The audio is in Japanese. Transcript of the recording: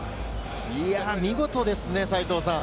見事ですね。